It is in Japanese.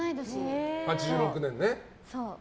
８６年ね。